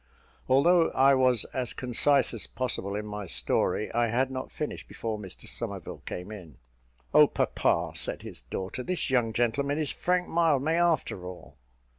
Although I was as concise as possible in my story, I had not finished before Mr Somerville came in. "Oh, papa," said his daughter, "this young gentleman is Frank Mildmay, after all."